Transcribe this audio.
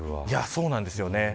そうなんですよね。